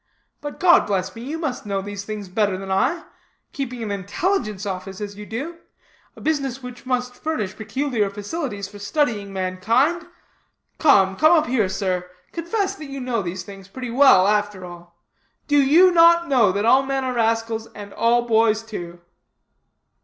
But, God bless me, you must know these things better than I; keeping an intelligence office as you do; a business which must furnish peculiar facilities for studying mankind. Come, come up here, sir; confess you know these things pretty well, after all. Do you not know that all men are rascals, and all boys, too?"